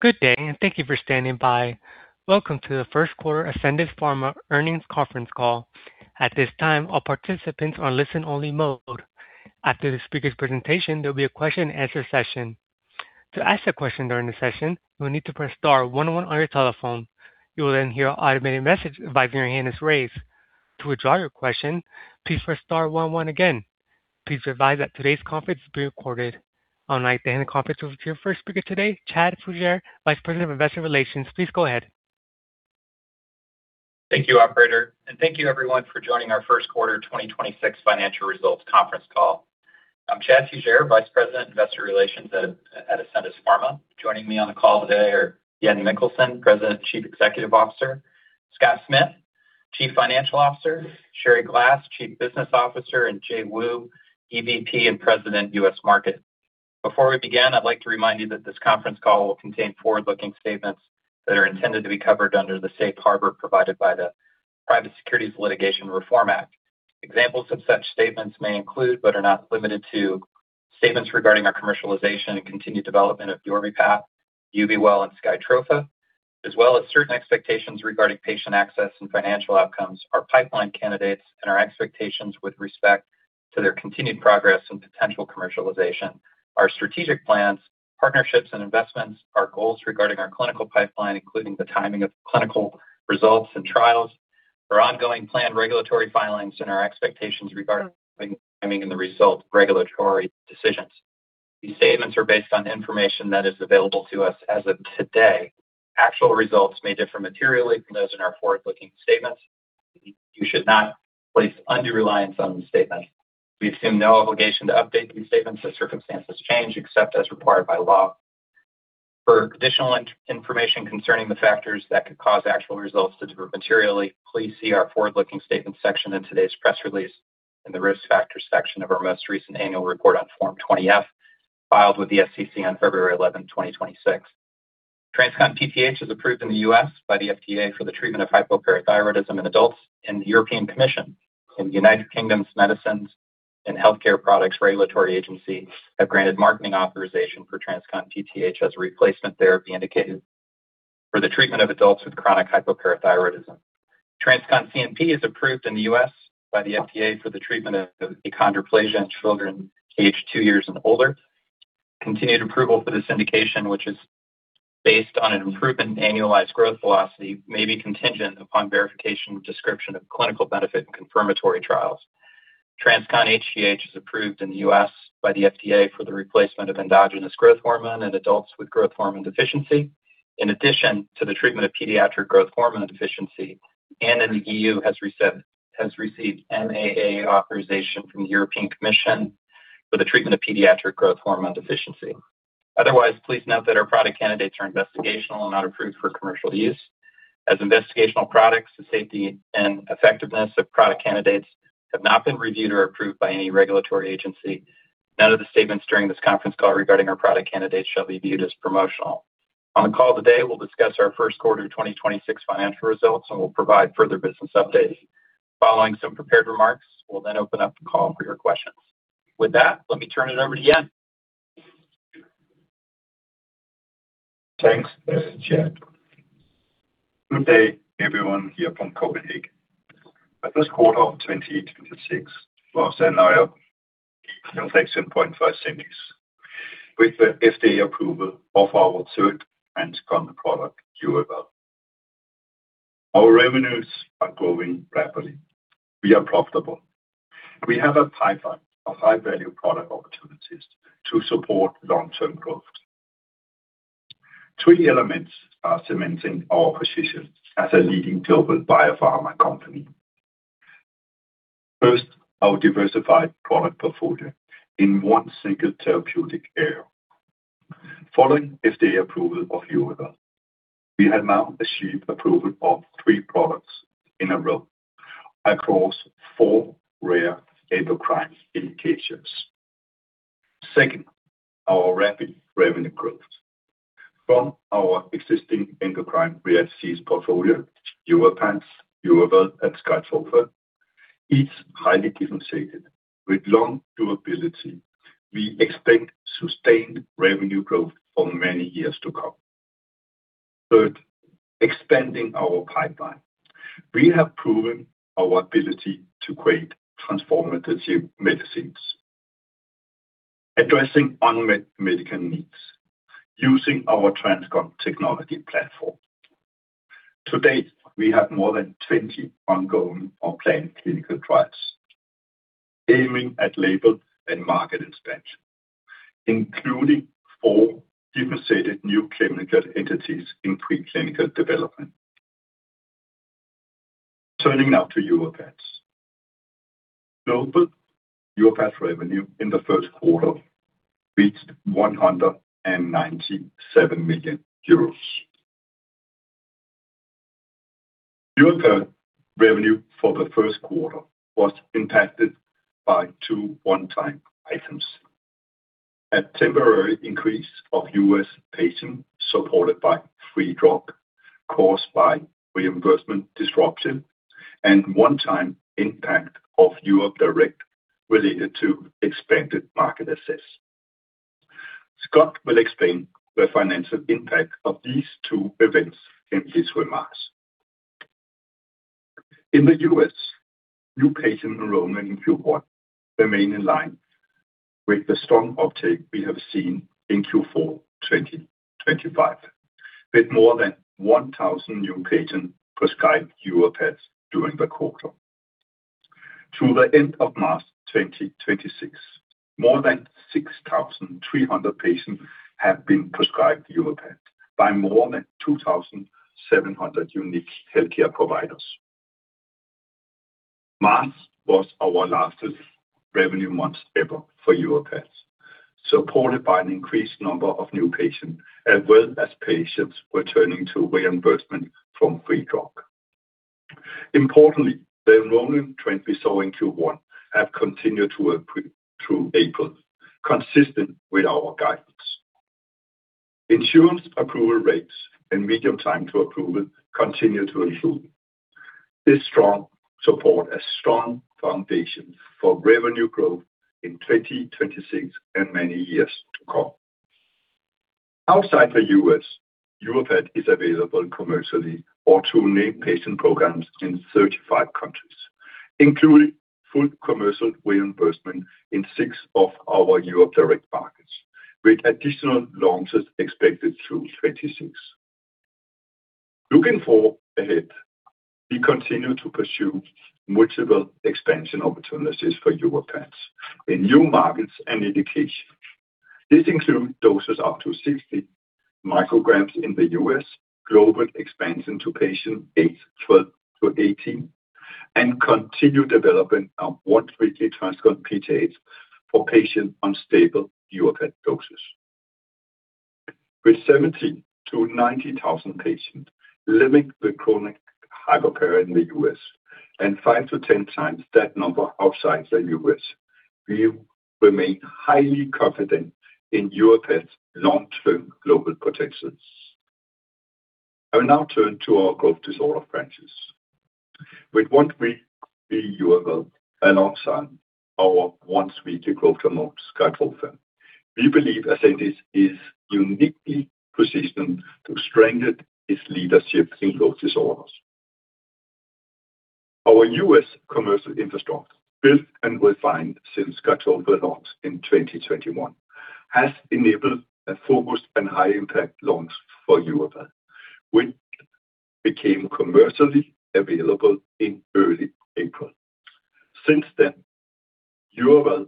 Good day, and thank you for standing by. Welcome to the first quarter Ascendis Pharma earnings conference call. At this time all participants are in an only listen mode. After the speakers presentation there will be a question-and-answer session. To ask the during the session, you need to press star, one, one on your telephone. You will hear an automated message when your hand is raised. To withdraw your question, please press star, one, one again. Please be advised that today's call is being recorded. I Would like to hand the conference over to your first speaker today, Chad Fugere, Vice President of Investor Relations. Please go ahead. Thank you, operator. Thank you everyone for joining our first quarter 2026 financial results conference call. I'm Chad Fugere, Vice President Investor Relations at Ascendis Pharma. Joining me on the call today are Jan Mikkelsen, President Chief Executive Officer, Scott Smith, Chief Financial Officer, Sherrie Glass, Chief Business Officer, and Jay Wu, EVP and President U.S. Market. Before we begin, I'd like to remind you that this conference call will contain forward-looking statements that are intended to be covered under the safe harbor provided by the Private Securities Litigation Reform Act. Examples of such statements may include, but are not limited to, statements regarding our commercialization and continued development of YORVIPATH, YUVIWEL, and SKYTROFA, as well as certain expectations regarding patient access and financial outcomes, our pipeline candidates, and our expectations with respect to their continued progress and potential commercialization. Our strategic plans, partnerships and investments, our goals regarding our clinical pipeline, including the timing of clinical results and trials, our ongoing planned regulatory filings, and our expectations regarding timing and the result regulatory decisions. These statements are based on information that is available to us as of today. Actual results may differ materially from those in our forward-looking statements. You should not place undue reliance on the statement. We assume no obligation to update these statements as circumstances change except as required by law. For additional information concerning the factors that could cause actual results to differ materially, please see our forward-looking statement section in today's press release in the Risk Factors section of our most recent annual report on Form 20-F filed with the SEC on February 11, 2026. TransCon PTH is approved in the U.S. by the FDA for the treatment of hypoparathyroidism in adults and the European Commission and United Kingdom's Medicines and Healthcare Products Regulatory Agency have granted marketing authorization for TransCon PTH as replacement therapy indicated for the treatment of adults with chronic hypoparathyroidism. TransCon CNP is approved in the U.S. by the FDA for the treatment of achondroplasia in children aged two years and older. Continued approval for this indication, which is based on an improvement in annualized growth velocity, may be contingent upon verification of description of clinical benefit and confirmatory trials. TransCon hGH is approved in the U.S. by the FDA for the replacement of endogenous growth hormone in adults with growth hormone deficiency. In addition to the treatment of pediatric growth hormone deficiency and in the E.U. has received MAA authorization from the European Commission for the treatment of pediatric growth hormone deficiency. Please note that our product candidates are investigational and not approved for commercial use. As investigational products, the safety and effectiveness of product candidates have not been reviewed or approved by any regulatory agency. None of the statements during this conference call regarding our product candidates shall be viewed as promotional. On the call today, we'll discuss our first quarter 2026 financial results, and we'll provide further business updates. Following some prepared remarks, we'll then open up the call for your questions. With that, let me turn it over to Jan. Thanks, Chad. Good day, everyone here from Copenhagen. The first quarter of 2026 was an eye-opening for Ascendis with the FDA approval of our third TransCon product, YUVIWEL. Our revenues are growing rapidly. We are profitable. We have a pipeline of high-value product opportunities to support long-term growth. Three elements are cementing our position as a leading global biopharma company. First, our diversified product portfolio in one single therapeutic area. Following FDA approval of YUVIWEL, we have now achieved approval of three products in a row across four rare endocrine indications. Second, our rapid revenue growth from our existing endocrine rare disease portfolio, YORVIPATH, YUVIWEL, and SKYTROFA, each highly differentiated with long durability. We expect sustained revenue growth for many years to come. Third, expanding our pipeline. We have proven our ability to create transformative medicines addressing unmet medical needs using our TransCon technology platform. To date, we have more than 20 ongoing or planned clinical trials aiming at label and market expansion, including four differentiated New Chemical Entities in preclinical development. Turning now to SKYTROFA. Global SKYTROFA revenue in the first quarter reached EUR 197 million. SKYTROFA revenue for the first quarter was impacted by two one-time items. A temporary increase of U.S. patients supported by free drug caused by reimbursement disruption and one-time impact of Europe direct related to expanded market access. Scott will explain the financial impact of these two events in his remarks. In the U.S., new patient enrollment in Q1 remain in line with the strong uptake we have seen in Q4 2025, with more than 1,000 new patients prescribed SKYTROFA during the quarter. To the end of March 2026, more than 6,300 patients have been prescribed EUPAD by more than 2,700 unique healthcare providers. March was our largest revenue month ever for EUPAD, supported by an increased number of new patients, as well as patients returning to reimbursement from free drug. Importantly, the enrollment trend we saw in Q1 have continued to accrue through April, consistent with our guidance. Insurance approval rates and median time to approval continue to improve. This strong support a strong foundation for revenue growth in 2026 and many years to come. Outside the U.S., EUPAD is available commercially or through named patient programs in 35 countries, including full commercial reimbursement in six of our Europe direct markets, with additional launches expected through 2026. Looking forward ahead, we continue to pursue multiple expansion opportunities for YORVIPATH in new markets and indications. This includes doses up to 60 micrograms in the U.S., global expansion to patients aged 12-18, and continue development of once-weekly TransCon PTH for patients on stable YORVIPATH doses. With 70,000-90,000 patients living with chronic hypoparathyroidism in the U.S. and five to 10 times that number outside the U.S., we remain highly confident in YORVIPATH's long-term global potential. I will now turn to our growth disorder franchise. With once-weekly YUVIWEL, alongside our once-weekly growth hormone SKYTROFA, we believe Ascendis is uniquely positioned to strengthen its leadership in growth disorders. Our U.S. commercial infrastructure, built and refined since SKYTROFA launched in 2021, has enabled a focused and high impact launch for YUVIWEL, which became commercially available in early April. Since then, YUVIWEL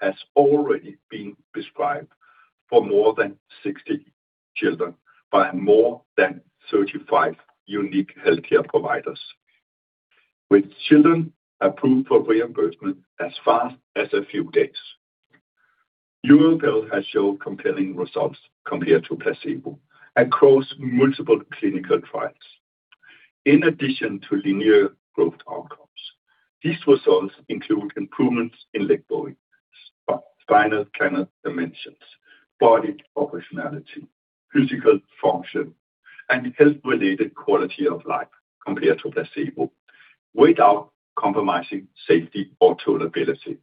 has already been prescribed for more than 60 children by more than 35 unique healthcare providers, with children approved for reimbursement as fast as a few days. YUVIWEL has shown compelling results compared to placebo across multiple clinical trials. In addition to linear growth outcomes, these results include improvements in leg bone, spinal canal dimensions, body proportionality, physical function, and health-related quality of life compared to placebo without compromising safety or tolerability.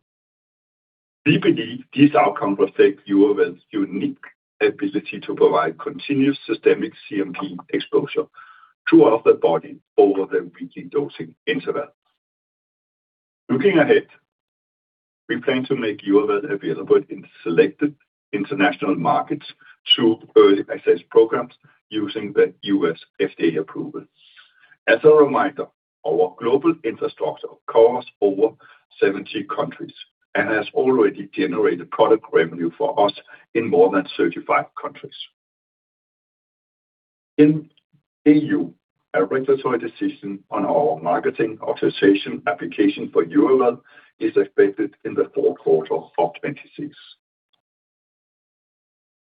We believe this outcome reflects YUVIWEL's unique ability to provide continuous systemic CNP exposure throughout the body over the weekly dosing interval. Looking ahead, we plan to make YUVIWEL available in selected international markets through early access programs using the U.S. FDA approval. As a reminder, our global infrastructure covers over 70 countries and has already generated product revenue for us in more than 35 countries. In E.U., a regulatory decision on our marketing authorization application for YUVIWEL is expected in the fourth quarter of 2026.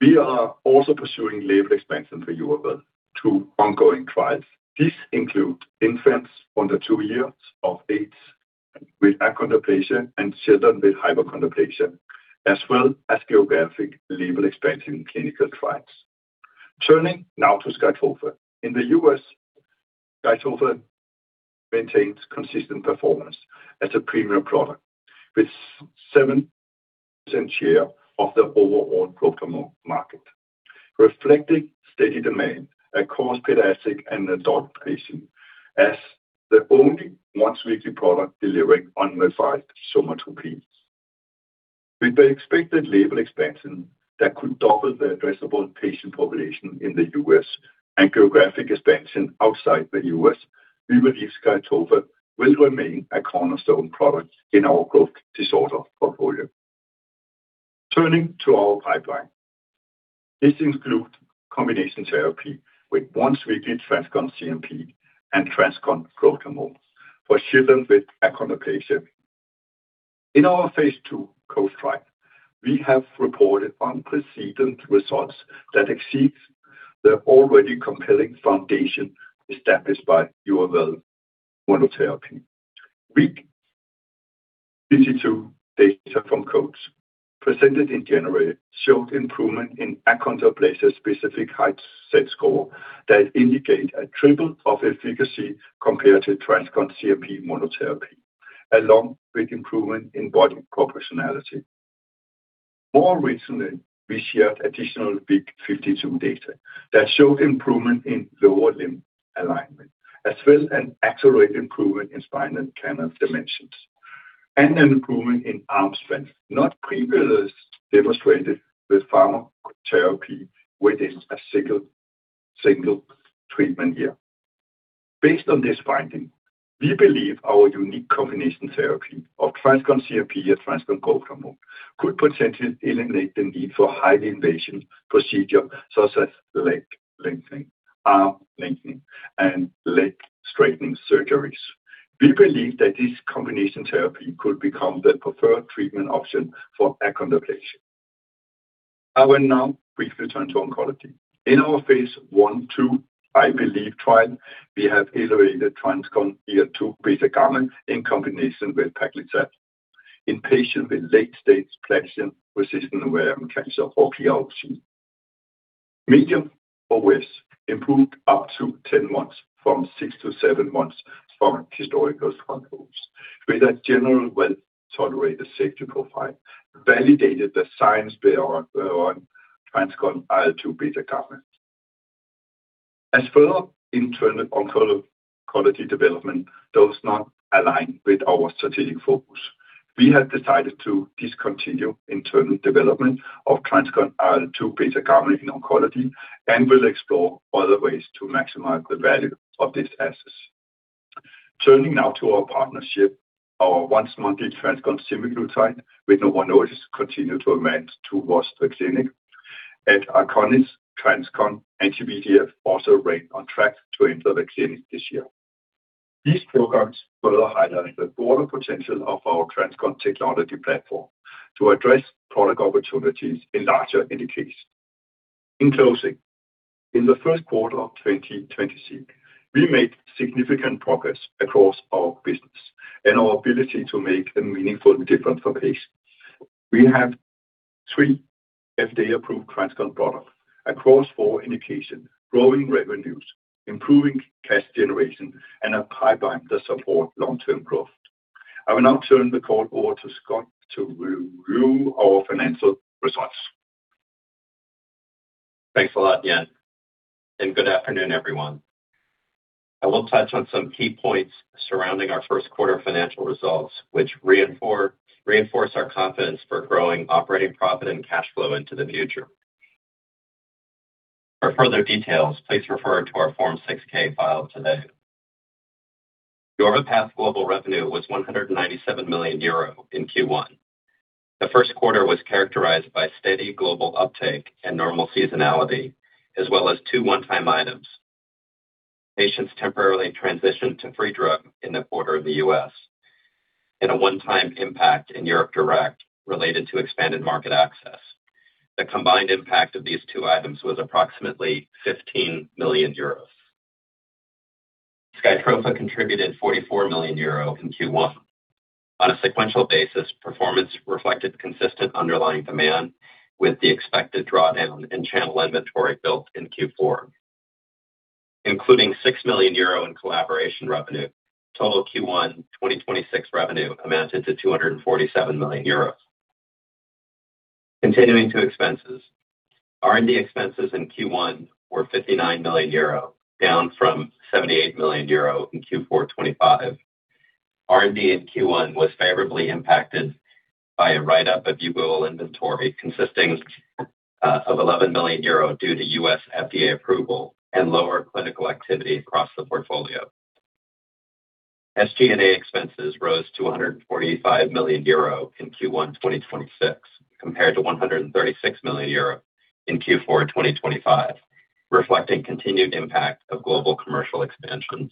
We are also pursuing label expansion for YUVIWEL through ongoing trials. These include infants under two years of age with achondroplasia and children with hypochondroplasia, as well as geographic label expansion clinical trials. Turning now to SKYTROFA. In the U.S., SKYTROFA maintains consistent performance as a premium product with 7% share of the overall growth hormone market, reflecting steady demand across pediatric and adult patients as the only once-weekly product delivering unmodified somatropin. With the expected label expansion that could double the addressable patient population in the U.S. and geographic expansion outside the U.S., we believe SKYTROFA will remain a cornerstone product in our growth disorder portfolio. Turning to our pipeline. This includes combination therapy with once-weekly TransCon CNP and TransCon hGH for children with achondroplasia. In our phase II COACH trial, we have reported unprecedented results that exceeds the already compelling foundation established by YUVIWEL monotherapy. Week 52 data from COACH presented in January showed improvement in achondroplasia-specific height Z-score that indicate a triple of efficacy compared to TransCon CNP monotherapy, along with improvement in body proportionality. More recently, we shared additional Week 52 data that showed improvement in lower limb alignment, as well as an accelerated improvement in spinal canal dimensions and an improvement in arm span, not previously demonstrated with pharmacotherapy within a single treatment year. Based on this finding, we believe our unique combination therapy of TransCon CNP and TransCon Glucagon could potentially eliminate the need for highly invasive procedure such as leg lengthening, arm lengthening, and leg straightening surgeries. We believe that this combination therapy could become the preferred treatment option for achondroplasia. I will now briefly turn to oncology. In our phase I/II IL-Believe Trial, we have elevated TransCon IL-2 beta/gamma in combination with paclitaxel in patients with late-stage platinum-resistant ovarian cancer or PROC. Median OS improved up to 10 months from six to seven months from historical controls with a general well-tolerated safety profile, validated the science on TransCon IL-2 beta/gamma. As further internal oncology development does not align with our strategic focus, we have decided to discontinue internal development of TransCon IL-2 beta/gamma in oncology and will explore other ways to maximize the value of these assets. Turning now to our partnership, our once-monthly TransCon semaglutide with Novo Nordisk continue to advance towards the clinic at Eyconis TransCon anti-TGF-beta also remain on track to enter the clinic this year. These programs further highlight the broader potential of our TransCon technology platform to address product opportunities in larger indications. In closing, in the first quarter of 2026, we made significant progress across our business and our ability to make a meaningful difference for patients. We have three FDA-approved TransCon products across four indications, growing revenues, improving cash generation, and a pipeline that support long-term growth. I will now turn the call over to Scott to review our financial results. Thanks a lot, Jan. Good afternoon, everyone. I will touch on some key points surrounding our first quarter financial results, which reinforce our confidence for growing operating profit and cash flow into the future. For further details, please refer to our Form 6-K filed today. YORVIPATH global revenue was 197 million euro in Q1. The first quarter was characterized by steady global uptake and normal seasonality, as well as two one-time items. Patients temporarily transitioned to free drug in the quarter in the U.S., and a one-time impact in Europe direct related to expanded market access. The combined impact of these two items was approximately 15 million euros. SKYTROFA contributed 44 million euro in Q1. On a sequential basis, performance reflected consistent underlying demand with the expected drawdown in channel inventory built in Q4. Including 6 million euro in collaboration revenue, total Q1 2026 revenue amounted to 247 million euros. Continuing to expenses. R&D expenses in Q1 were 59 million euro, down from 78 million euro in Q4 2025. R&D in Q1 was favorably impacted by a write-up of YUVIWEL inventory consisting of 11 million euro due to U.S. FDA approval and lower clinical activity across the portfolio. SG&A expenses rose to 145 million euro in Q1 2026 compared to 136 million euro in Q4 2025, reflecting continued impact of global commercial expansion.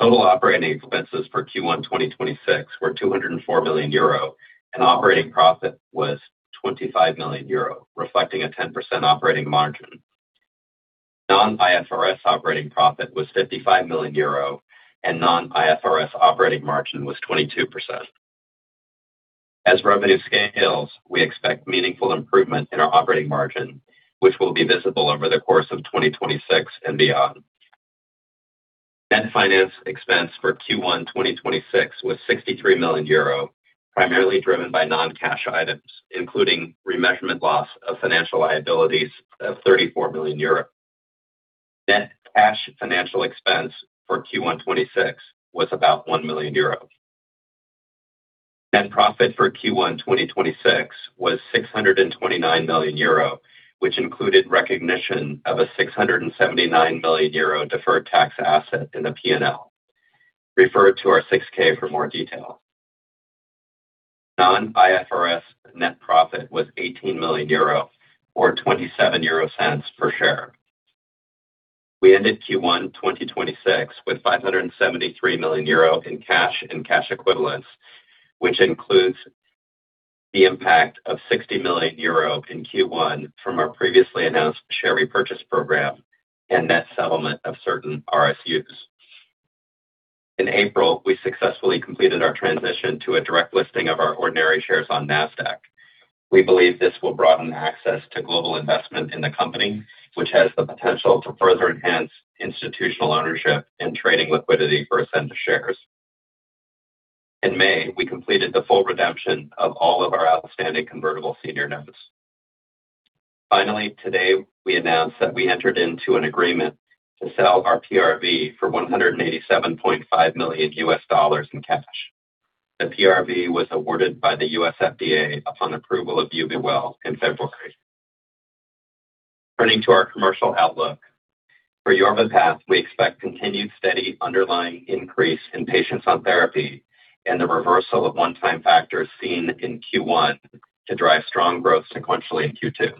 Total operating expenses for Q1 2026 were 204 million euro, and operating profit was 25 million euro, reflecting a 10% operating margin. Non-IFRS operating profit was 55 million euro and non-IFRS operating margin was 22%. As revenue scales, we expect meaningful improvement in our operating margin, which will be visible over the course of 2026 and beyond. Net finance expense for Q1 2026 was 63 million euro, primarily driven by non-cash items, including remeasurement loss of financial liabilities of 34 million euros. Net cash financial expense for Q1 2026 was about 1 million euros. Net profit for Q1 2026 was 629 million euro, which included recognition of a 679 million euro deferred tax asset in the P&L. Refer to our 6-K for more detail. Non-IFRS net profit was 18 million euro or 0.27 per share. We ended Q1 2026 with 573 million euro in cash and cash equivalents, which includes the impact of 60 million euro in Q1 from our previously announced share repurchase program and net settlement of certain RSUs. In April, we successfully completed our transition to a direct listing of our ordinary shares on Nasdaq. We believe this will broaden access to global investment in the company, which has the potential to further enhance institutional ownership and trading liquidity for Ascendis shares. In May, we completed the full redemption of all of our outstanding convertible senior notes. Finally, today we announced that we entered into an agreement to sell our PRV for $187.5 million in cash. The PRV was awarded by the U.S. FDA upon approval of YUVIWEL in February. Turning to our commercial outlook. For YORVIPATH, we expect continued steady underlying increase in patients on therapy and the reversal of one-time factors seen in Q1 to drive strong growth sequentially in Q2.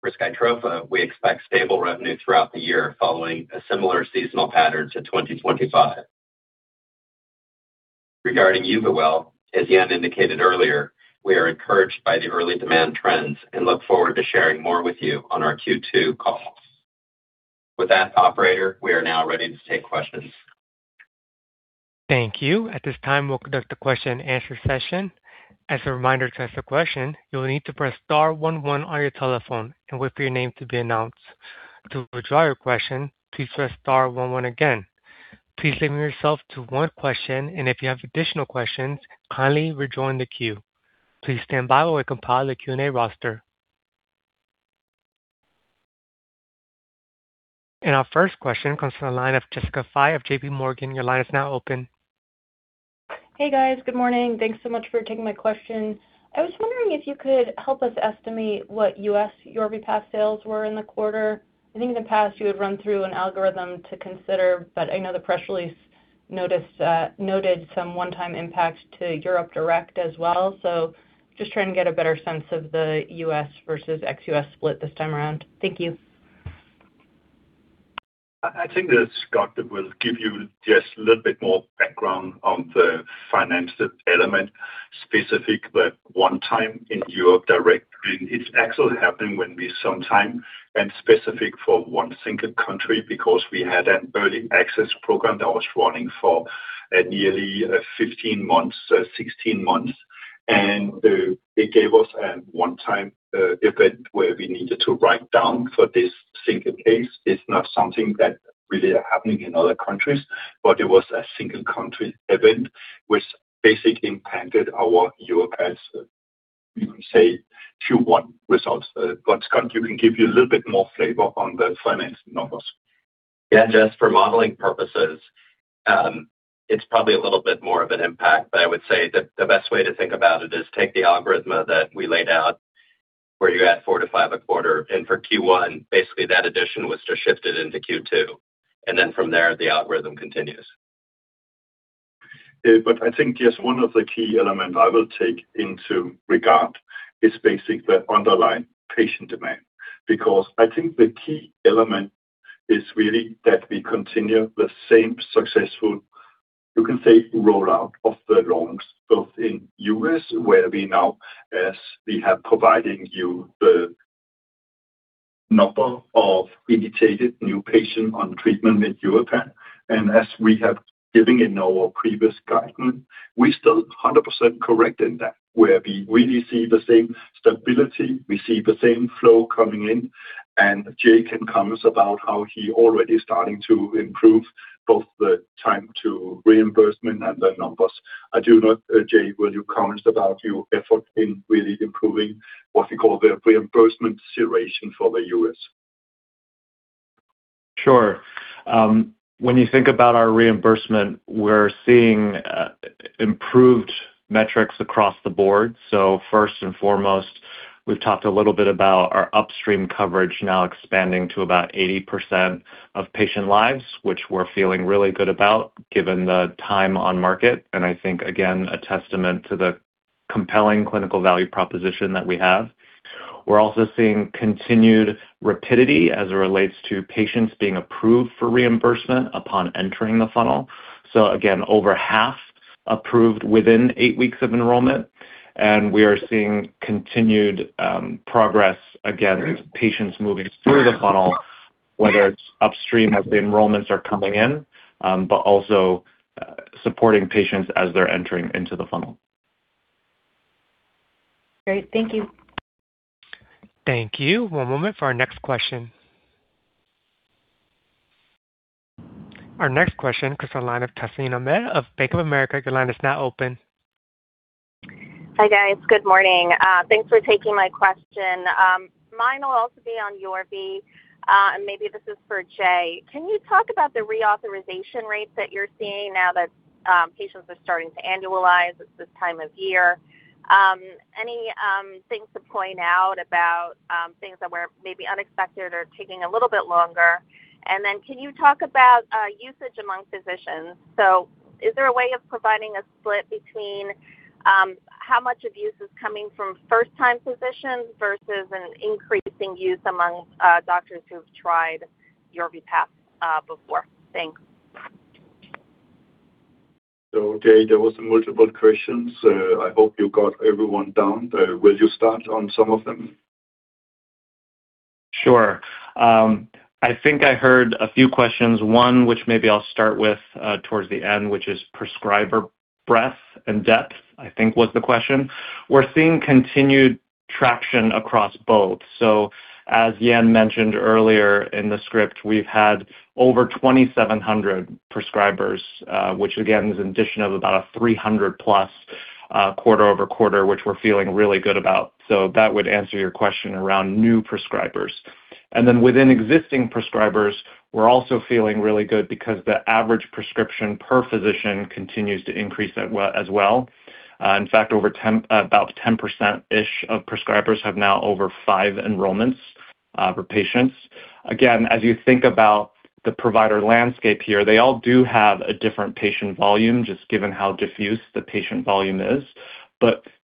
For SKYTROFA, we expect stable revenue throughout the year following a similar seasonal pattern to 2025. Regarding YUVIWEL, as Jan indicated earlier, we are encouraged by the early demand trends and look forward to sharing more with you on our Q2 call. With that, operator, we are now ready to take questions. Thank you. At this time, we'll conduct a question-and-answer session. As a reminder to ask a question, you'll need to press star one one on your telephone and wait for your name to be announced. To withdraw your question, please press star one one again. Please limit yourself to one question, and if you have additional questions, kindly rejoin the queue. Please stand by while we compile the Q&A roster. Our first question comes from the line of Jessica Fye of JPMorgan. Your line is now open. Hey, guys. Good morning. Thanks so much for taking my question. I was wondering if you could help us estimate what U.S. YORVIPATH sales were in the quarter. I think in the past you had run through an algorithm to consider, but I know the press release noted some one-time impact to Europe direct as well. Just trying to get a better sense of the U.S. versus ex-U.S. split this time around. Thank you. I think that Scott will give you just a little bit more background on the financial element specific. One time in Europe direct, it actually happened when we sometime and specific for one single country because we had an early access program that was running for nearly 15 months, 16 months. It gave us a one time event where we needed to write down for this single case. It's not something that really happening in other countries, but it was a single country event which basically impacted our Europe as you can say Q1 results. Scott can give you a little bit more flavor on the finance numbers. Yeah, Jess, for modeling purposes, it's probably a little bit more of an impact, but I would say that the best way to think about it is take the algorithm that we laid out where you add four to five a quarter. For Q1, basically that addition was just shifted into Q2. From there, the algorithm continues. I think just one of the key elements I will take into regard is basically underlying patient demand. I think the key element is really that we continue the same successful, you can say, rollout of the loans both in U.S., where we now, as we have providing you the number of indicated new patient on treatment with Europe. As we have given in our previous guidance, we're still 100% correct in that, where we really see the same stability, we see the same flow coming in. Jay can comment about how he already starting to improve both the time to reimbursement and the numbers. I do not. Jay, will you comment about your effort in really improving what we call the reimbursement situation for the U.S.? Sure. When you think about our reimbursement, we're seeing improved metrics across the board. First and foremost, we've talked a little bit about our upstream coverage now expanding to about 80% of patient lives, which we're feeling really good about given the time on market, and I think, again, a testament to the compelling clinical value proposition that we have. We're also seeing continued rapidity as it relates to patients being approved for reimbursement upon entering the funnel. Again, over half approved within eight weeks of enrollment, and we are seeing continued progress, again, with patients moving through the funnel, whether it's upstream as the enrollments are coming in, but also supporting patients as they're entering into the funnel. Great. Thank you. Thank you. One moment for our next question. Our next question comes from the line of Tazeen Ahmad of Bank of America. Your line is now open. Hi, guys. Good morning. Thanks for taking my question. Mine will also be on YORVIPATH. Maybe this is for Jay. Can you talk about the reauthorization rates that you're seeing now that patients are starting to annualize at this time of year? Any things to point out about things that were maybe unexpected or taking a little bit longer? Then can you talk about usage among physicians? Is there a way of providing a split between how much use is coming from first-time physicians versus an increasing use among doctors who've tried YORVIPATH before? Thanks. Jay there was multiple questions. I hope you got everyone down. Will you start on some of them? Sure. I think I heard a few questions. One, which maybe I'll start with towards the end, which is prescriber breadth and depth, I think was the question. We're seeing continued traction across both. As Jan mentioned earlier in the script, we've had over 2,700 prescribers, which again is an addition of about a 300+ quarter-over-quarter, which we're feeling really good about. That would answer your question around new prescribers. Then within existing prescribers, we're also feeling really good because the average prescription per physician continues to increase as well. In fact, about 10%-ish of prescribers have now over five enrollments for patients. Again, as you think about the provider landscape here, they all do have a different patient volume, just given how diffuse the patient volume is.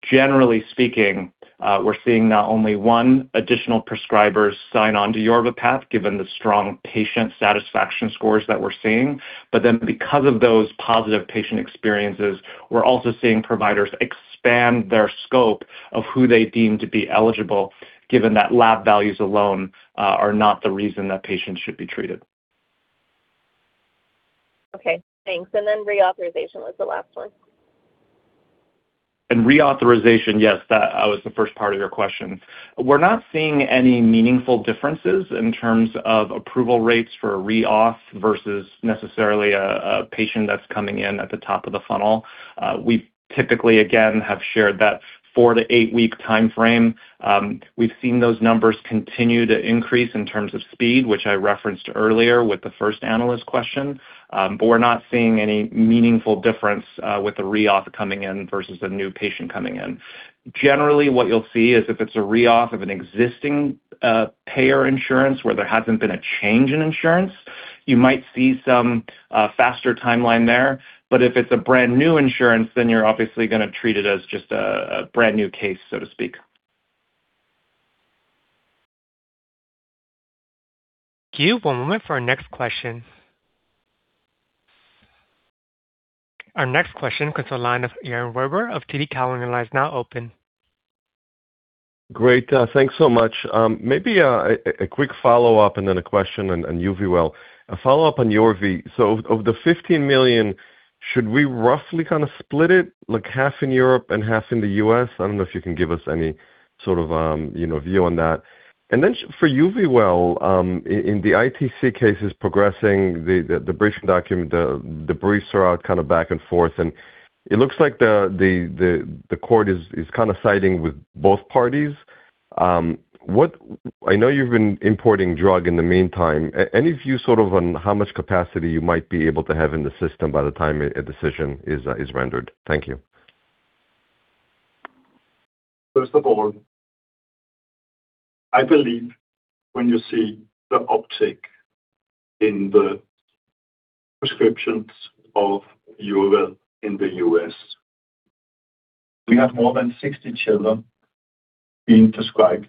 Generally speaking, we're seeing not only one additional prescribers sign on to YORVIPATH, given the strong patient satisfaction scores that we're seeing, but then because of those positive patient experiences, we're also seeing providers expand their scope of who they deem to be eligible, given that lab values alone are not the reason that patients should be treated. Okay, thanks. Reauthorization was the last one. Reauthorization, yes, that was the first part of your question. We're not seeing any meaningful differences in terms of approval rates for a re-auth versus necessarily a patient that's coming in at the top of the funnel. We typically, again, have shared that five to eight week timeframe. We've seen those numbers continue to increase in terms of speed, which I referenced earlier with the first analyst question. We're not seeing any meaningful difference with the re-auth coming in versus a new patient coming in. Generally, what you'll see is if it's a re-auth of an existing payer insurance where there hasn't been a change in insurance, you might see some faster timeline there. If it's a brand-new insurance, you're obviously going to treat it as just a brand-new case, so to speak. Give one moment for our next question. Our next question comes to the line of Yaron Werber of TD Cowen, and the line is now open. Great. Thanks so much. Maybe a quick follow-up and then a question on YUVIWEL. A follow-up on YORVIPATH. Of the 15 million, should we roughly kind of split it like half in Europe and half in the U.S.? I don't know if you can give us any sort of, you know, view on that. For YUVIWEL, in the ITC case is progressing, the briefing document, the briefs are out kind of back and forth, and it looks like the court is kind of siding with both parties. What I know you've been importing drug in the meantime. Any view sort of on how much capacity you might be able to have in the system by the time a decision is rendered? Thank you. First of all, I believe when you see the uptick in the prescriptions of YUVIWEL in the U.S., we have more than 60 children being prescribed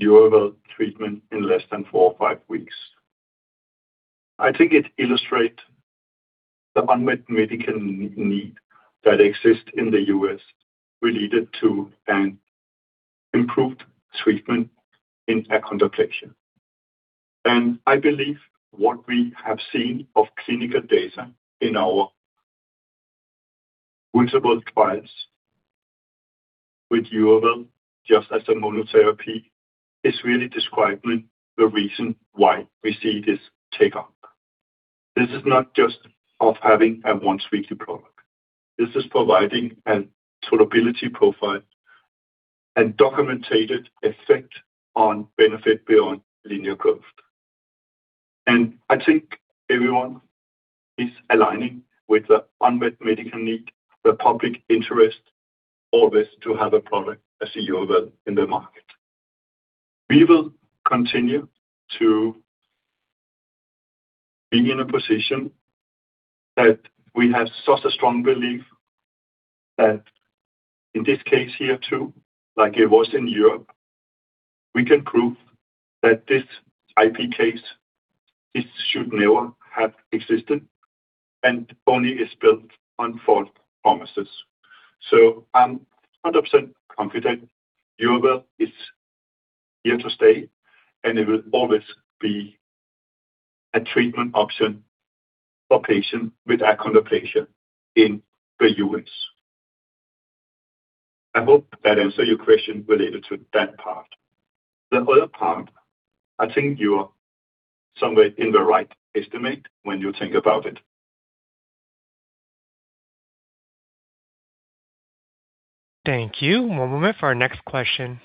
YUVIWEL treatment in less than four or five weeks. I think it illustrate the unmet medical need that exists in the U.S. related to an improved treatment in achondroplasia. I believe what we have seen of clinical data in our multiple trials with YUVIWEL, just as a monotherapy, is really describing the reason why we see this take off. This is not just of having a once weekly product. This is providing a tolerability profile and documented effect on benefit beyond linear growth. I think everyone is aligning with the unmet medical need, the public interest always to have a product such as YUVIWEL in the market. We will continue to be in a position that we have such a strong belief that in this case here too, like it was in Europe, we can prove that this IP case, this should never have existed and only is built on false promises. I'm 100% confident YUVIWEL is here to stay, and it will always be a treatment option for patients with achondroplasia in the U.S. I hope that answer your question related to that part. The other part, I think you're somewhere in the right estimate when you think about it. Thank you. One moment for our next question.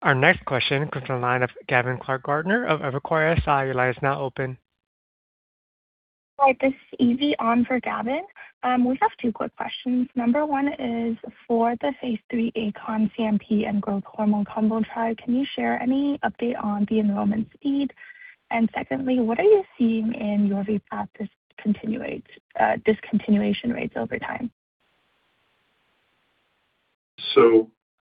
Our next question comes to the line of Gavin Clark-Gartner of Evercore ISI. Your line is now open. Hi, this is Evie on for Gavin Clark-Gartner. We have two quick questions. Number one is for the phase III TransCon CNP and growth hormone combo trial. Can you share any update on the enrollment speed? Secondly, what are you seeing in your YORVIPATH discontinuation rates over time?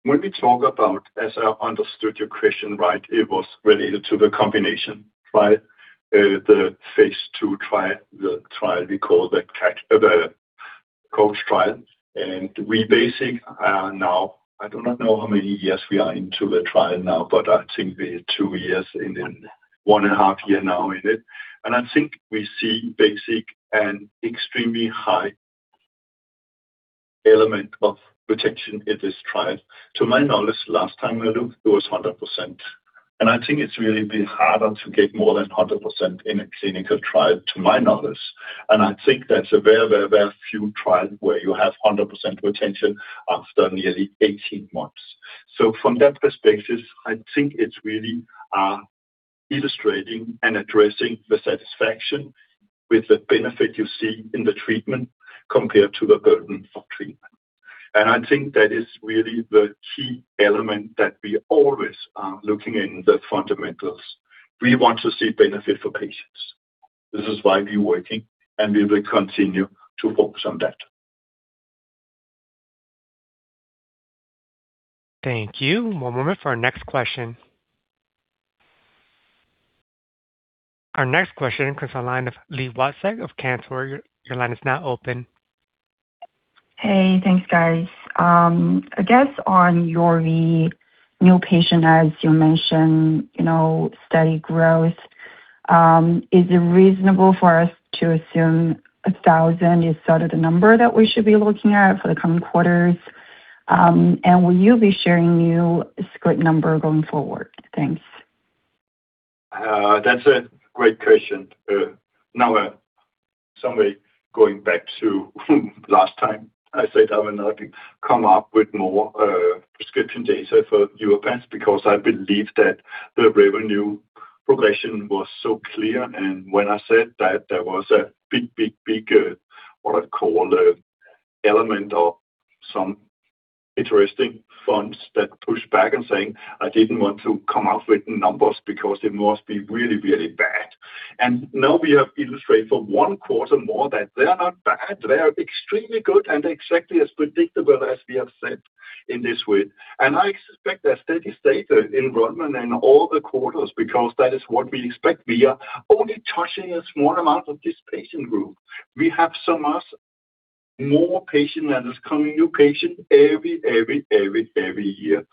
When we talk about, as I understood your question, right, it was related to the combination trial, the phase II trial, the trial we call the COACH trial. We basic are now, I do not know how many years we are into the trial now, but I think we're two years in, one and a half year now in it. I think we see basic an extremely high element of protection in this trial. To my knowledge, last time we looked, it was 100%. I think it's really been harder to get more than 100% in a clinical trial, to my knowledge. I think that's a very, very, very few trial where you have 100% retention after nearly 18 months. From that perspective, I think it's really illustrating and addressing the satisfaction with the benefit you see in the treatment compared to the burden for treatment. I think that is really the key element that we always are looking in the fundamentals. We want to see benefit for patients. This is why we're working, and we will continue to focus on that. Thank you. One moment for our next question. Our next question comes from the line of Li Watsek of Cantor. Your line is now open. Hey, thanks, guys. I guess on your YORVIPATH new patient, as you mentioned, you know, steady growth, is it reasonable for us to assume 1,000 is sort of the number that we should be looking at for the coming quarters? Will you be sharing new script number going forward? Thanks. That's a great question. Now, somebody going back to last time I said I will not come up with more prescription data for Europe because I believe that the revenue progression was so clear. When I said that, there was a big, big, big, what I call the element of some interesting funds that push back and saying, I didn't want to come out with numbers because it must be really, really bad. Now we have illustrated for one quarter more that they are not bad, they are extremely good, and exactly as predictable as we have said in this way. I expect a steady state enrollment in all the quarters because that is what we expect. We are only touching a small amount of this patient group. We have so much more patient that is coming, new patient every year.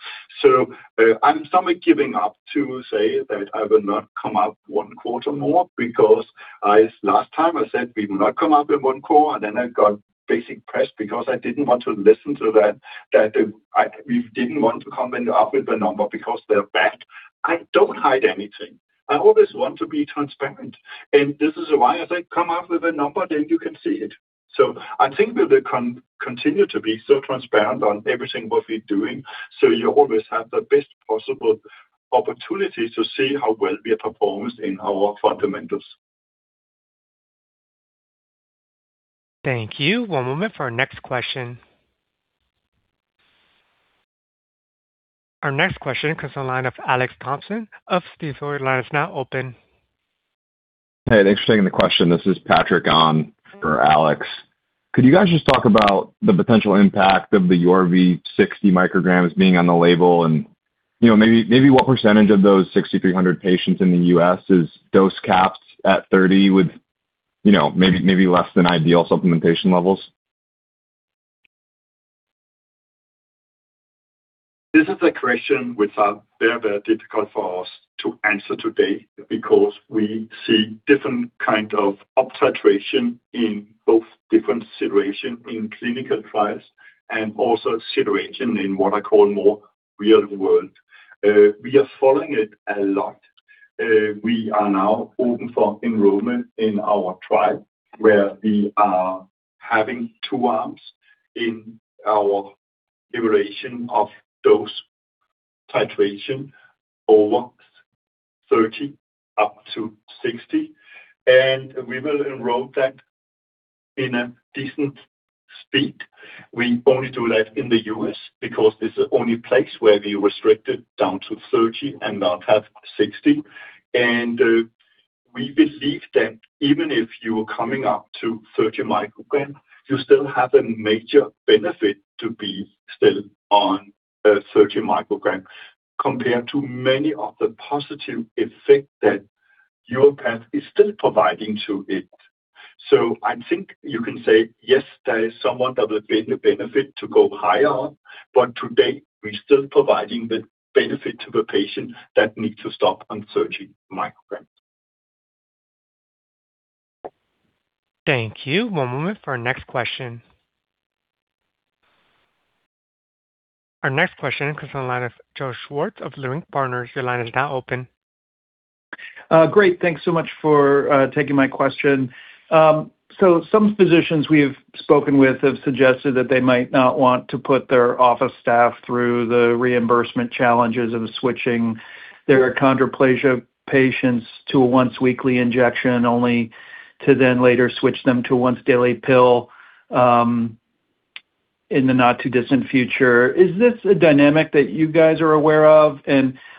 I'm somehow giving up to say that I will not come up one quarter more because I last time I said we will not come up in one quarter, and then I got bad press because I didn't want to listen to that, we didn't want to come in up with a number because they're bad. I don't hide anything. I always want to be transparent. This is why I say, come up with a number, then you can see it. I think we will continue to be so transparent on everything what we're doing, so you always have the best possible opportunity to see how well we have performed in our fundamentals. Thank you. One moment for our next question. Our next question comes to the line of Alex Thompson of Stifel. Your line is now open. Hey, thanks for taking the question. This is Patrick on for Alex. Could you guys just talk about the potential impact of the YORVIPATH 60 micrograms being on the label? You know, maybe what % of those 6,300 patients in the U.S. is dose capped at 30 with, you know, maybe less than ideal supplementation levels? This is a question which are very, very difficult for us to answer today because we see different kind of uptitration in both different situation in clinical trials and also situation in what I call more real world. We are following it a lot. We are now open for enrollment in our trial where we are having two arms in our evaluation of dose titration over 30 up to 60, and we will enroll that in a decent speed. We only do that in the U.S. because this is only place where we restrict it down to 30 and not have 60. We believe that even if you are coming up to 30 microgram, you still have a major benefit to be still on 30 microgram compared to many of the positive effect that YORVIPATH is still providing to it. I think you can say, yes, there is somewhat of a benefit to go higher, but today we're still providing the benefit to the patient that need to stop on 30 micrograms. Thank you. One moment for our next question. Our next question comes to the line of Joseph Schwartz of Leerink Partners. Your line is now open. Great. Thanks so much for taking my question. Some physicians we have spoken with have suggested that they might not want to put their office staff through the reimbursement challenges of switching their achondroplasia patients to a once weekly injection, only to then later switch them to a once daily pill in the not too distant future. Is this a dynamic that you guys are aware of?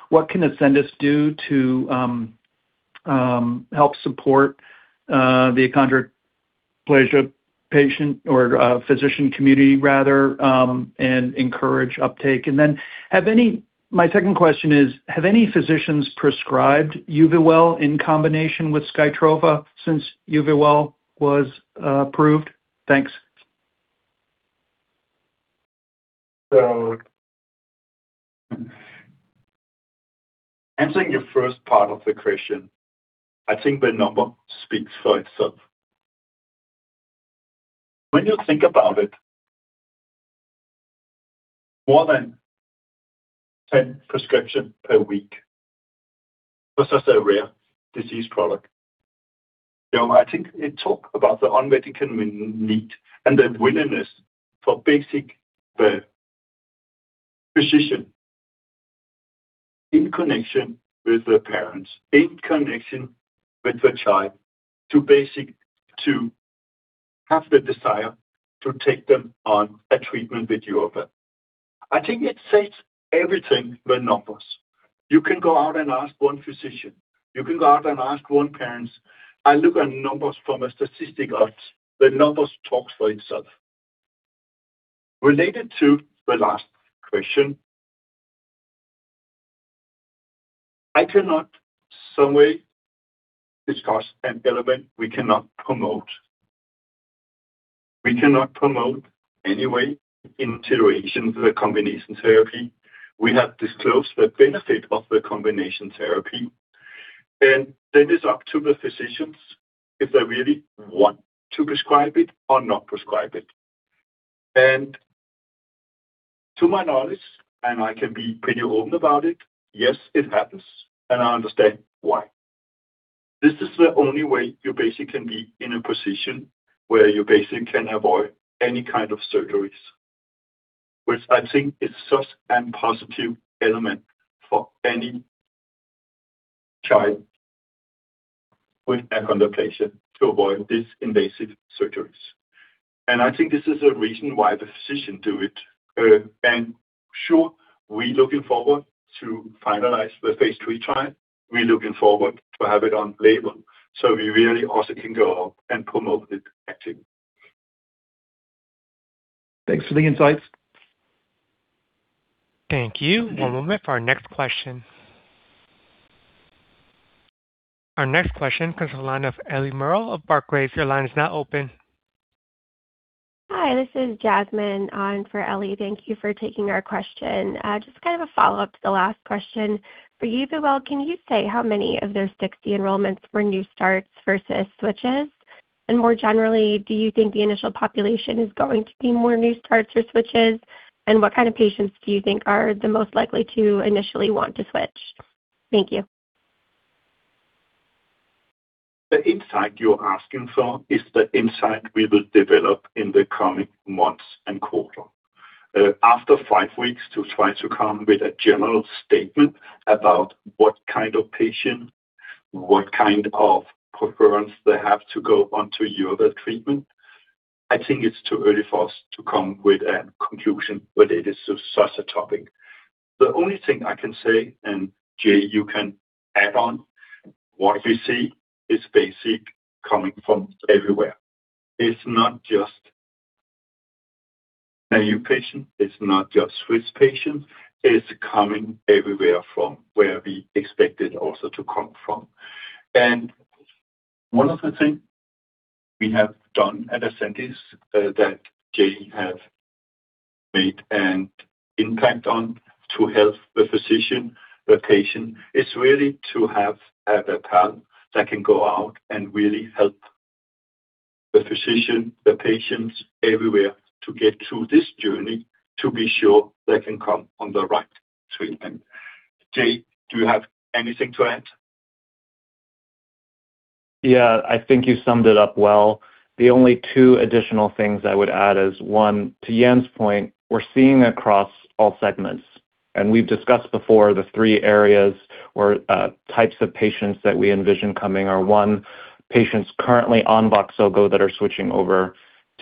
What can Ascendis do to help support the achondroplasia patient or physician community rather and encourage uptake. My second question is, have any physicians prescribed YUVIWEL in combination with SKYTROFA since YUVIWEL was approved? Thanks. Answering your first part of the question, I think the number speaks for itself. When you think about it, more than 10 prescription per week for such a rare disease product. I think it talk about the unmet medical need and the willingness for the physician in connection with the parents, in connection with the child to have the desire to take them on a treatment with YUVIWEL. I think it says everything with numbers. You can go out and ask one physician. You can go out and ask one parents. I look at numbers from a statistic odds. The numbers talks for itself. Related to the last question, I cannot some way discuss an element we cannot promote. We cannot promote any way in situation the combination therapy. We have disclosed the benefit of the combination therapy. It's up to the physicians if they really want to prescribe it or not prescribe it. To my knowledge, I can be pretty open about it, yes, it happens, and I understand why. This is the only way you basically can be in a position where you basically can avoid any kind of surgeries, which I think is such a positive element for any child with a condition to avoid these invasive surgeries. I think this is a reason why the physician do it. Sure, we looking forward to finalize the phase III trial. We're looking forward to have it on label. We really also can go and promote it actively. Thanks for the insights. Thank you. One moment for our next question. Our next question comes from the line of Eliana Merle of Barclays. Your line is now open. Hi, this is Jasmine on for Ellie. Thank you for taking our question. Just kind of a follow-up to the last question. For YUVIWEL, can you say how many of those 60 enrollments were new starts versus switches? More generally, do you think the initial population is going to be more new starts or switches? What kind of patients do you think are the most likely to initially want to switch? Thank you. The insight you're asking for is the insight we will develop in the coming months and quarter. After five weeks to try to come with a general statement about what kind of patient, what kind of preference they have to go onto YUVIWEL treatment, I think it's too early for us to come with a conclusion with it is such a topic. The only thing I can say, and Jay, you can add on, what we see is basic coming from everywhere. It's not just a new patient, it's not just switch patient, it's coming everywhere from where we expect it also to come from. One of the things we have done at Ascendis that Jay have made an impact on to help the physician, the patient, is really to have the path that can go out and really help the physician, the patients everywhere to get through this journey to be sure they can come on the right treatment. Jay, do you have anything to add? Yeah, I think you summed it up well. The only two additional things I would add is, one, to Jan's point, we're seeing across all segments. We've discussed before the three areas or types of patients that we envision coming are, one, patients currently on VOXZOGO that are switching over.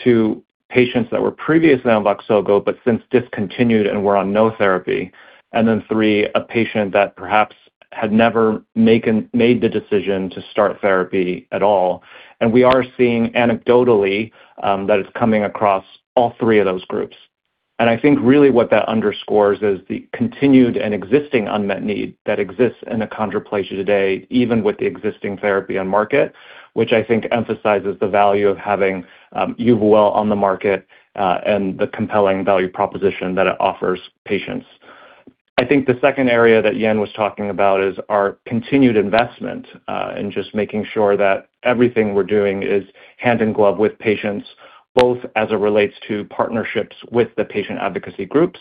Two, patients that were previously on VOXZOGO but since discontinued and were on no therapy. Three, a patient that perhaps had never made the decision to start therapy at all. We are seeing anecdotally that it's coming across all three of those groups. I think really what that underscores is the continued and existing unmet need that exists in the achondroplasia today, even with the existing therapy on market, which I think emphasizes the value of having YUVIWEL on the market, and the compelling value proposition that it offers patients. I think the second area that Jan was talking about is our continued investment in just making sure that everything we're doing is hand in glove with patients, both as it relates to partnerships with the patient advocacy groups,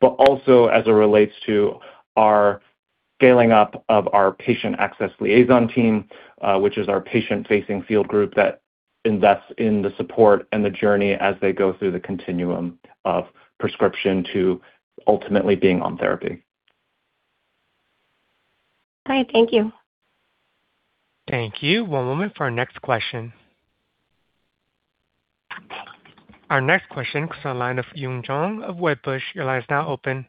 but also as it relates to our scaling up of our patient access liaison team, which is our patient-facing field group that invests in the support and the journey as they go through the continuum of prescription to ultimately being on therapy. All right. Thank you. Thank you. One moment for our next question. Our next question comes to the line of Yun Zhong of Wedbush. Your line is now open.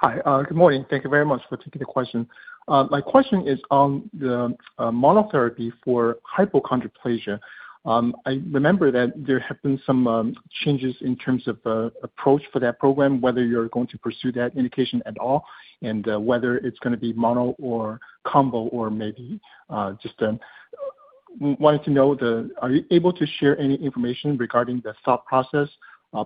Hi. Good morning. Thank you very much for taking the question. My question is on the monotherapy for hypochondroplasia. I remember that there have been some changes in terms of approach for that program, whether you're going to pursue that indication at all, and whether it's gonna be mono or combo or maybe, just Are you able to share any information regarding the thought process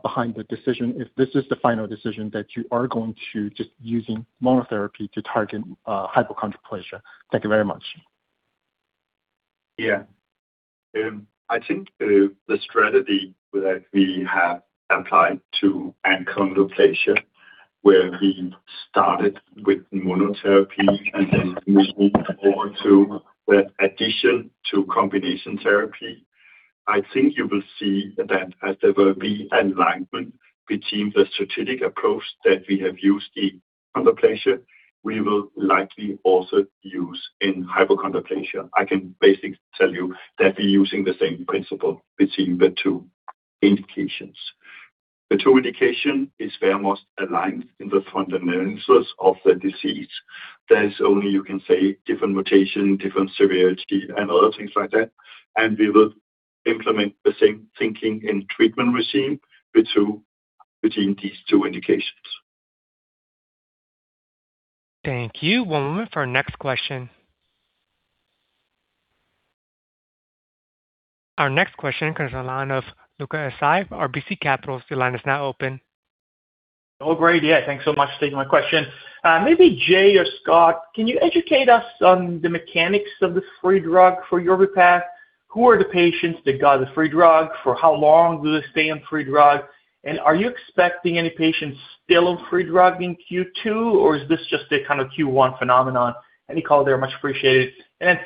behind the decision, if this is the final decision that you are going to just using monotherapy to target hypochondroplasia? Thank you very much. I think the strategy that we have applied to achondroplasia, where we started with monotherapy and then moved over to the addition to combination therapy. I think you will see that as there will be alignment between the strategic approach that we have used in achondroplasia, we will likely also use in hypochondroplasia. I can basically tell you that we're using the same principle between the two indications. The two indication is very much aligned in the fundamentals of the disease. There's only, you can say, different mutation, different severity and other things like that. We will implement the same thinking and treatment regime between these two indications. Thank you. One moment for our next question. Our next question comes on the line of Luca Issi with RBC Capital Markets. Your line is now open. Great. Yeah, thanks so much for taking my question. Maybe Jay or Scott, can you educate us on the mechanics of this free drug for YORVIPATH? Who are the patients that got the free drug? For how long do they stay on free drug? Are you expecting any patients still on free drug in Q2, or is this just a kind of Q1 phenomenon? Any call there much appreciated.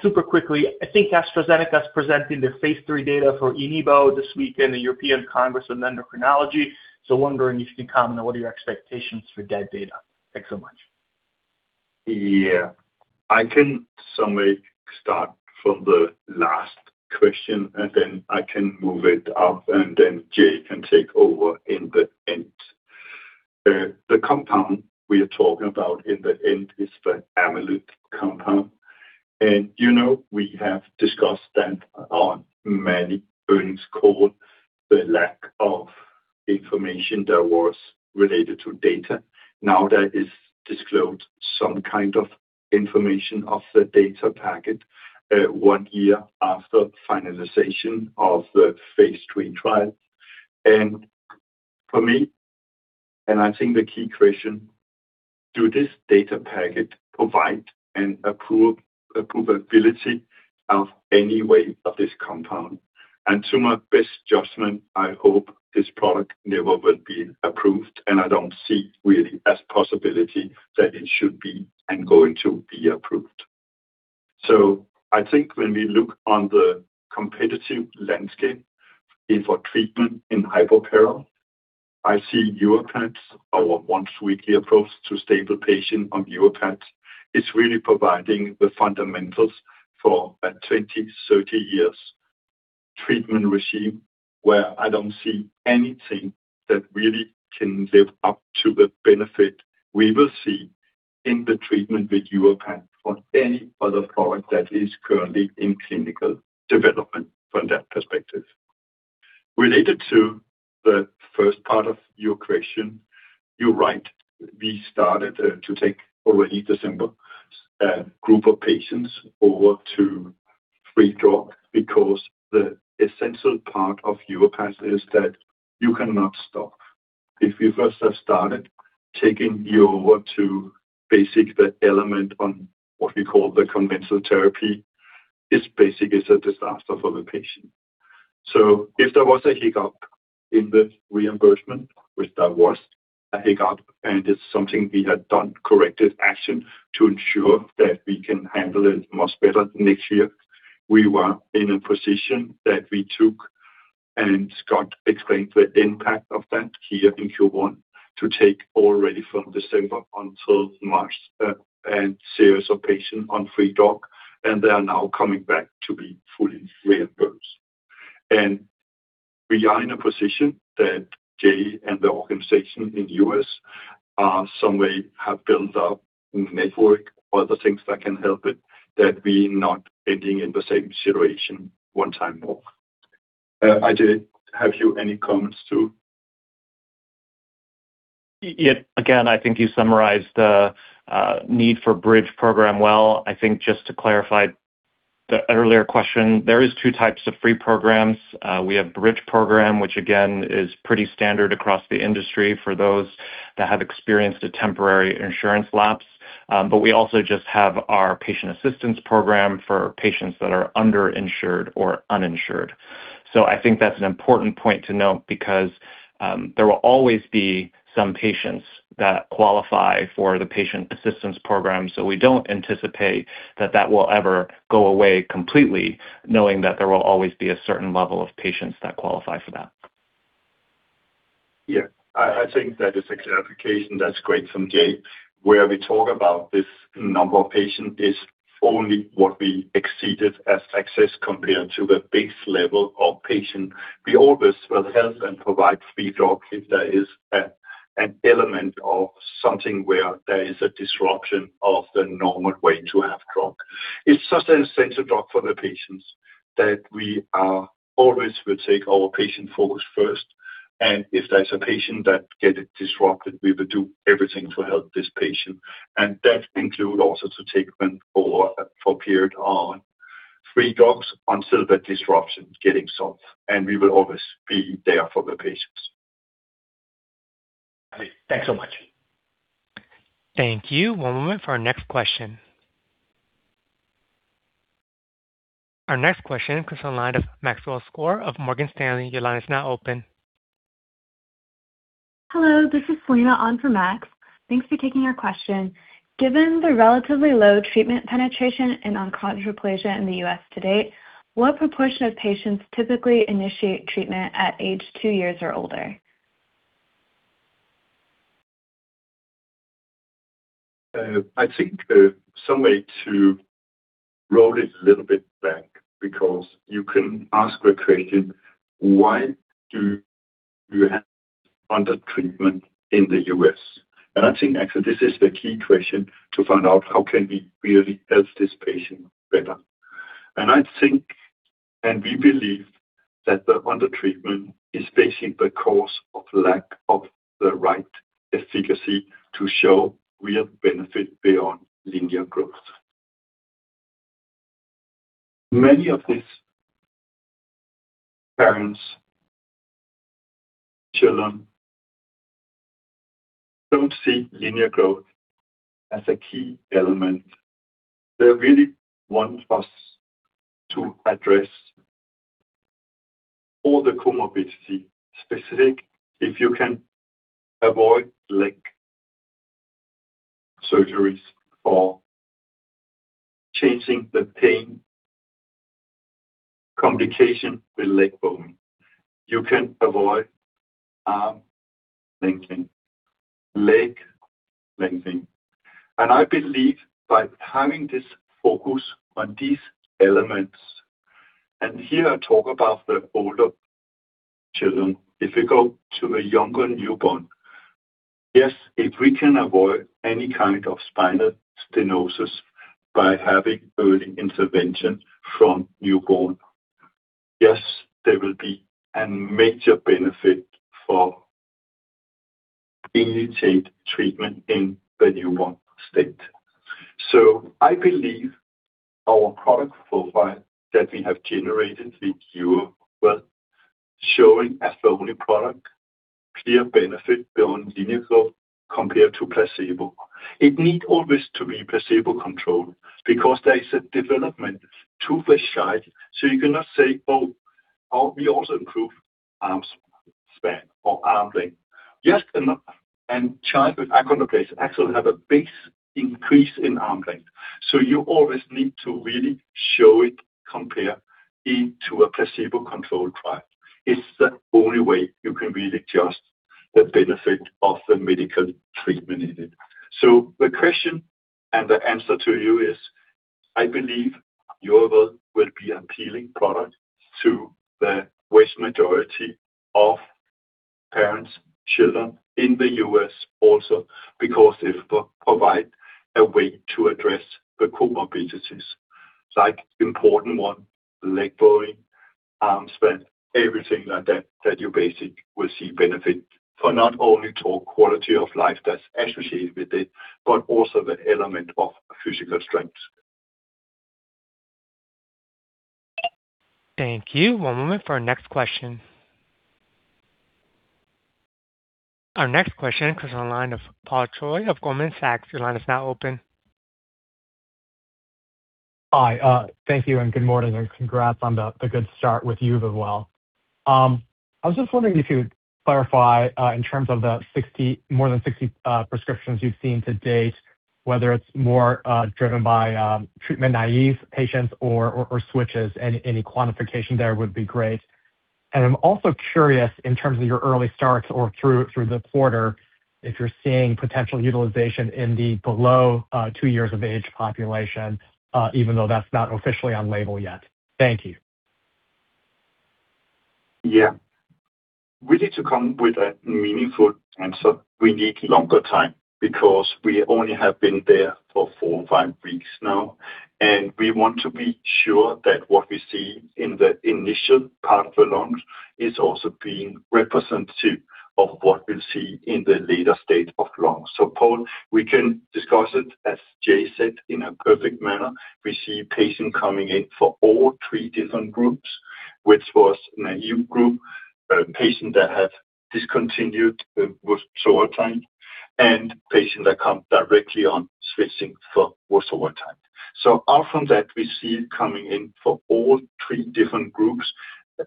Super quickly, I think AstraZeneca is presenting their phase III data for eneboparatide this week in the European Congress of Endocrinology. Wondering if you can comment on what are your expectations for that data. Thanks so much. Yeah. I can somewhere start from the last question, then I can move it up, then Jay can take over in the end. The compound we are talking about in the end is the Amolyt compound. You know we have discussed that on many earnings call, the lack of information that was related to data. That is disclosed some kind of information of the data packet, one year after finalization of the phase III trial. For me, I think the key question, do this data packet provide an approvability of any way of this compound? To my best judgment, I hope this product never will be approved, I don't see really as possibility that it should be and going to be approved. I think when we look on the competitive landscape for treatment in hypoparathyroidism, I see YORVIPATH, our once weekly approach to stable patient on YORVIPATH, is really providing the fundamentals for a 20, 30 years treatment regime, where I don't see anything that really can live up to the benefit we will see in the treatment with YORVIPATH from any other product that is currently in clinical development from that perspective. Related to the first part of your question, you're right. We started to take already December a group of patients over to free drug because the essential part of YORVIPATH is that you cannot stop. If you first have started taking you over to basic the element on what we call the conventional therapy, it's basically is a disaster for the patient. If there was a hiccup in the reimbursement, which there was a hiccup, it's something we had done corrective action to ensure that we can handle it much better next year. We were in a position that we took, and Scott explained the impact of that here in Q1, to take already from December until March, a series of patients on free drug, and they are now coming back to be fully reimbursed. We are in a position that Jay and the organization in U.S., someway have built up network for the things that can help it, that we not ending in the same situation one time more. Jay, have you any comments to? Yeah. Again, I think you summarized the need for Bridge program well. I think just to clarify the earlier question, there is two types of free programs. We have Bridge program, which again is pretty standard across the industry for those that have experienced a temporary insurance lapse. But we also just have our patient assistance program for patients that are under-insured or uninsured. I think that's an important point to note because there will always be some patients that qualify for the patient assistance program. We don't anticipate that that will ever go away completely, knowing that there will always be a certain level of patients that qualify for that. Yeah. I think that is a clarification that's great from Jay, where we talk about this number of patient is only what we exceeded as success compared to the base level of patient. We always will help and provide free drug if there is an element of something where there is a disruption of the normal way to have drug. It's such an essential drug for the patients that we are always will take our patient focus first. If there's a patient that get it disrupted, we will do everything to help this patient. That include also to take them for a period on free drugs until the disruption getting solved. We will always be there for the patients. Thanks so much. Thank you. One moment for our next question. Our next question comes on the line of Maxwell Skor of Morgan Stanley. Your line is now open. Hello, this is Selena on for Max. Thanks for taking our question. Given the relatively low treatment penetration in achondroplasia in the U.S. to date, what proportion of patients typically initiate treatment at age two years or older? I think some way to roll it a little bit back because you can ask the question, why do you have under treatment in the U.S.? I think actually this is the key question to find out how can we really help this patient better. I think, and we believe that the under treatment is basically because of lack of the right efficacy to show real benefit beyond linear growth. Many of these parents, children don't see linear growth as a key element. They really want us to address all the comorbidity specific. If you can avoid leg surgeries for changing the pain, complication with leg bone, you can avoid arm lengthening, leg lengthening. I believe by having this focus on these elements, and here I talk about the older children. If you go to a younger newborn, yes, if we can avoid any kind of spinal stenosis by having early intervention from newborn, yes, there will be a major benefit for initiate treatment in the newborn state. I believe our product profile that we have generated with YUVIWEL, showing as the only product clear benefit beyond linear growth compared to placebo. It need always to be placebo-controlled because there is a development too fast side. You cannot say, "Oh, we also improve arm span or arm length." Yes, and child with achondroplasia actually have a big increase in arm length. You always need to really show it compare into a placebo-controlled trial. It's the only way you can really assess the benefit of the medical treatment in it. The question and the answer to you is, I believe YUVIWEL will be appealing product to the vast majority of parents, children in the U.S. also because it will provide a way to address the comorbidities. Like important one, leg bone, arm span, everything like that you basically will see benefit for not only to quality of life that's associated with it, but also the element of physical strength. Thank you. One moment for our next question. Our next question comes on the line of Paul Choi of Goldman Sachs. Your line is now open. Hi, thank you and good morning, and congrats on the good start with YUVIWEL. I was just wondering if you would clarify, in terms of the 60 more than 60 prescriptions you've seen to date, whether it's more driven by treatment naive patients or switches. Any quantification there would be great. I'm also curious in terms of your early starts or through the quarter, if you're seeing potential utilization in the below two years of age population, even though that's not officially on label yet. Thank you. Yeah. We need to come with a meaningful answer. We need longer time because we only have been there for four, five weeks now, and we want to be sure that what we see in the initial part of the launch is also being representative of what we'll see in the later state of launch. Paul, we can discuss it, as Jay said, in a perfect manner. We see patient coming in for all three different groups, which was naive group, patient that have discontinued with VOXZOGO, and patient that come directly on switching for crossover time. Out from that, we see coming in for all three different groups.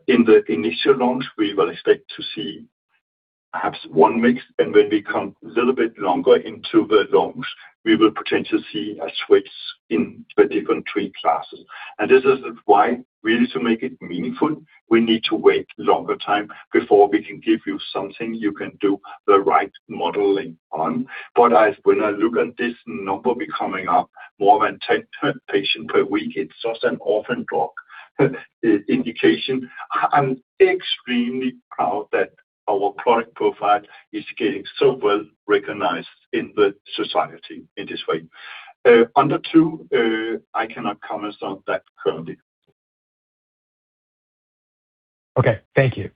In the initial launch, we will expect to see perhaps one mix, and when we come a little bit longer into the launch, we will potentially see a switch in the different three classes. This is why we need to make it meaningful. We need to wait longer time before we can give you something you can do the right modeling. I, when I look at this number be coming up more than 10 patients per week, it's such an orphan drug indication. I'm extremely proud that our product profile is getting so well-recognized in the society in this way. Under two, I cannot comment on that currently. Okay, thank you.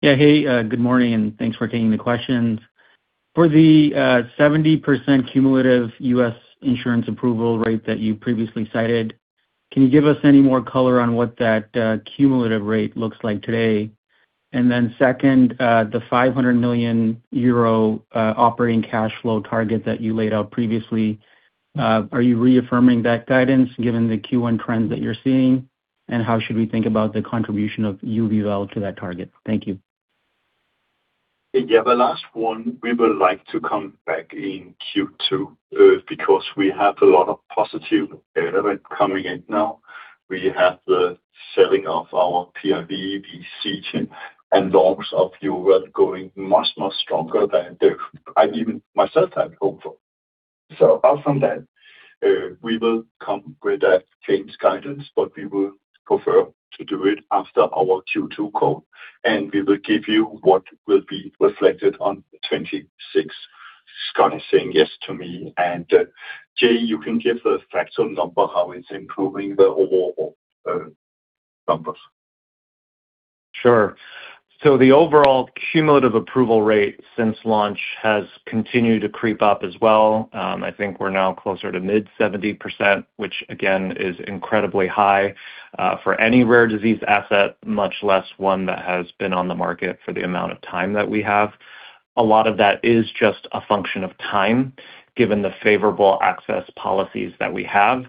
Yeah, hey, good morning, and thanks for taking the questions. For the 70% cumulative U.S. insurance approval rate that you previously cited, can you give us any more color on what that cumulative rate looks like today? Second, the 500 million euro operating cash flow target that you laid out previously, are you reaffirming that guidance given the Q1 trends that you're seeing? How should we think about the contribution of YUVIWEL to that target? Thank you. Yeah, the last one, we would like to come back in Q2, because we have a lot of positive data coming in now. We have the selling of our PRV, SKYTROFA and YORVIPATH going much, much stronger than I even myself had hoped for. Aside from that, we will come with a changed guidance, but we will prefer to do it after our Q2 call, and we will give you what will be reflected on the 26th. Scott is saying yes to me. Jay, you can give the factual number, how it's improving the overall numbers. Sure. The overall cumulative approval rate since launch has continued to creep up as well. I think we're now closer to mid 70%, which again is incredibly high for any rare disease asset, much less one that has been on the market for the amount of time that we have. A lot of that is just a function of time, given the favorable access policies that we have.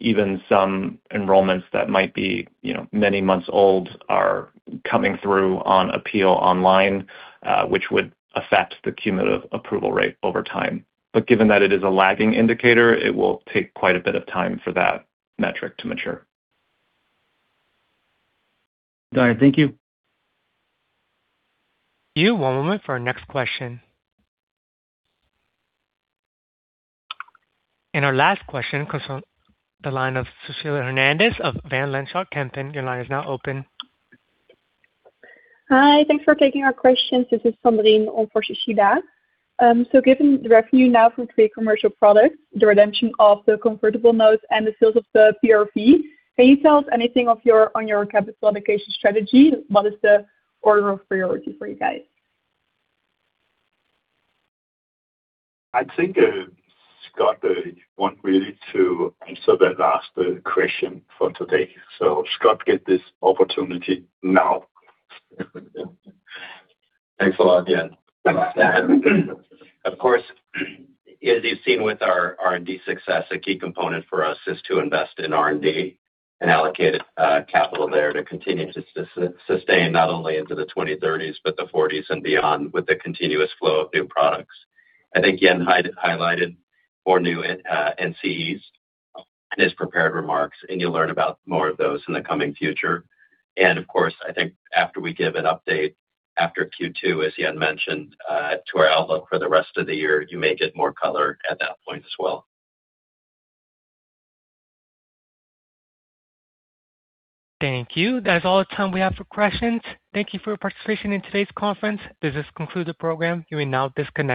Even some enrollments that might be, you know, many months old are coming through on appeal online, which would affect the cumulative approval rate over time. Given that it is a lagging indicator, it will take quite a bit of time for that metric to mature. Got it. Thank you. You one moment for our next question. Our last question comes from the line of Cecilia Hernandez of Van Lanschot Kempen. Your line is now open. Hi. Thanks for taking our questions. This is Sandrine on for Cecilia. Given the revenue now from three commercial products, the redemption of the convertible notes and the sales of the PRV, can you tell us anything on your capital allocation strategy? What is the order of priority for you guys? I think, Scott, want really to answer that last question for today. Scott, get this opportunity now. Thanks a lot, Jan. Of course, as you've seen with our R&D success, a key component for us is to invest in R&D and allocate capital there to continue to sustain not only into the 2030s, but the 2040s and beyond with the continuous flow of new products. I think Jan highlighted four new NCEs in his prepared remarks, and you'll learn about more of those in the coming future. Of course, I think after we give an update after Q2, as Jan mentioned, to our outlook for the rest of the year, you may get more color at that point as well. Thank you. That is all the time we have for questions. Thank you for your participation in today's conference. This has concluded the program. You may now disconnect.